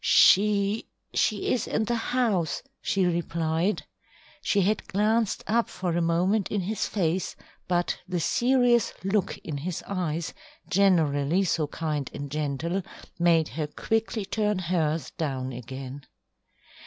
"She she is in the house," she replied. She had glanced up for a moment in his face, but the serious look in his eyes, generally so kind and gentle, made her quickly turn hers down again.